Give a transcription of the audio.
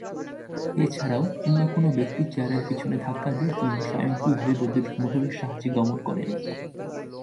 এছাড়াও, অন্য কোন ব্যক্তি চেয়ারের পিছনে ধাক্কা দিয়ে কিংবা স্বয়ংক্রিয়ভাবে বৈদ্যুতিক মোটরের সাহায্যে গমন করেন।